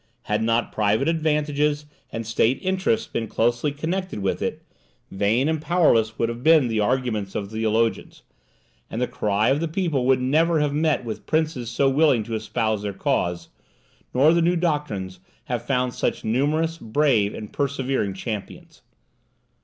Had not private advantages and state interests been closely connected with it, vain and powerless would have been the arguments of theologians; and the cry of the people would never have met with princes so willing to espouse their cause, nor the new doctrines have found such numerous, brave, and persevering champions.